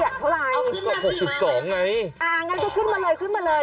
เอาขึ้นมาสิมามาหกสิบสองไงอ่างั้นก็ขึ้นมาเลยขึ้นมาเลย